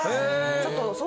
ちょっと。